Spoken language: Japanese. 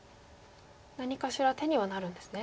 何かしら手にはなるんですね。